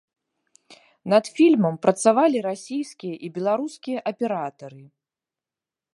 Над фільмам працавалі расійскія і беларускія аператары.